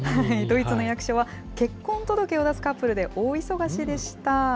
ドイツの役所は結婚届を出すカップルで大忙しでした。